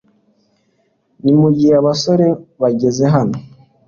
Ni mugihe abasore bageze hano.